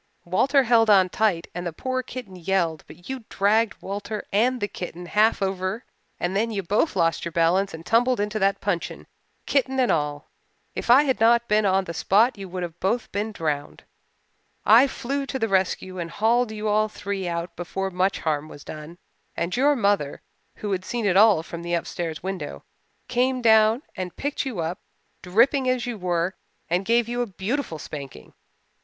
Walter held on tight and the poor kitten yelled but you dragged Walter and the kitten half over and then you both lost your balance and tumbled into that puncheon, kitten and all. If I had not been on the spot you would both have been drowned. I flew to the rescue and hauled you all three out before much harm was done, and your mother, who had seen it all from the upstairs window, came down and picked you up, dripping as you were, and gave you a beautiful spanking.